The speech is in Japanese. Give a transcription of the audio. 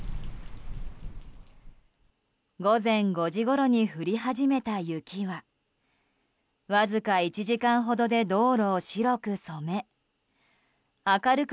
午前５時ごろに降り始めた雪はわずか１時間ほどで道路を白く